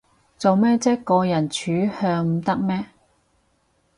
做咩唧個人取向唔得咩